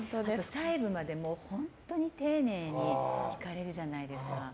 細部まで本当に丁寧に弾かれるじゃないですか。